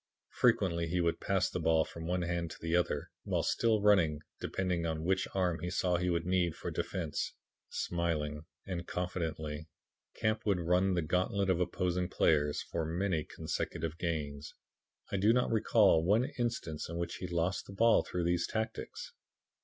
Frequently he would pass the ball from one hand to the other, while still running, depending upon which arm he saw he would need for defense. Smilingly and confidently, Camp would run the gauntlet of opposing players for many consecutive gains. I do not recall one instance in which he lost the ball through these tactics.